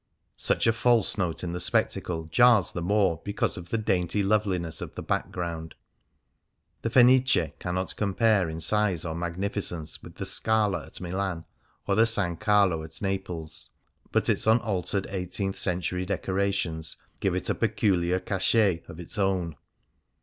Such a false note in the spectacle jars the more because of the dainty loveliness of the background. The Fenice cannot compare in size or magnificence with the Scala at Milan, or S. Carlo at Naples, but its unaltered eighteenth century decorations give it a peculiar cachet of its own.